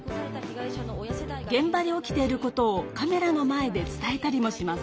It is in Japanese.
現場で起きていることをカメラの前で伝えたりもします。